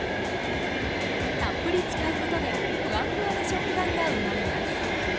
たっぷり使うことでふわふわの食感が生まれます。